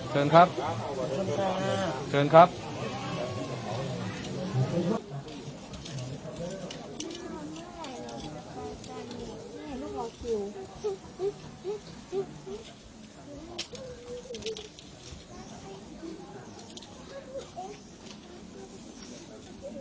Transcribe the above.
เชิญครับเชิญครับ